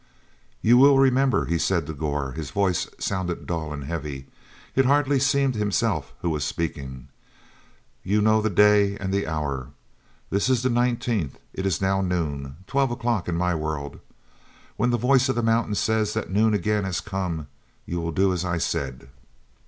ou will remember," he said to Gor. His voice sounded dull and heavy; it hardly seemed himself who was speaking. "You know the day and the hour. This is the nineteenth. It is now noon—twelve o'clock in my world. When the Voice of the Mountain says that noon again has come you will do as I said."